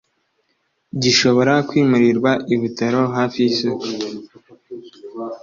gishobora kwimurirwa ibutaro hafi yisoko